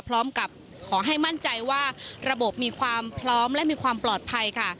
พร้อมกับขอให้มั่นใจว่าระบบมีความพร้อมและมีความปลอดภัยค่ะ